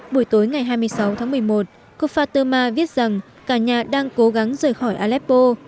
buổi tối ngày hai mươi sáu tháng một mươi một côfasterma viết rằng cả nhà đang cố gắng rời khỏi aleppo